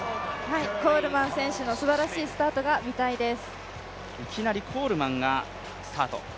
コールマン選手のすばらしいスタートが見たいです。